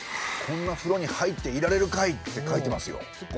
「こんな風呂に入っていられるかい」って書いてますよ。